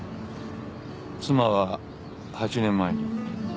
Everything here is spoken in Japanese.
妻は８年前に。